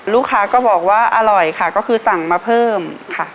ลูกค้าก็บอกว่าอร่อยค่ะก็คือสั่งมาเพิ่มค่ะ